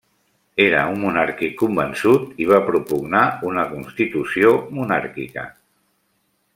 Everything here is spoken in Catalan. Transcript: Era un monàrquic convençut i va propugnar una constitució monàrquica.